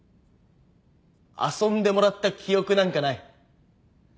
遊んでもらった記憶なんかない。